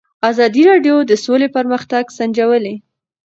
ازادي راډیو د سوله پرمختګ سنجولی.